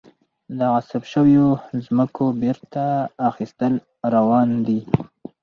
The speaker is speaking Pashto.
د غصب شویو ځمکو بیرته اخیستل روان دي؟